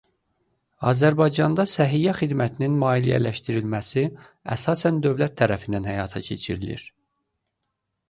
Azərbaycanda səhiyyə xidmətinin maliyyələşdirilməsi əsasən dövlət tərəfindən həyata keçirilir.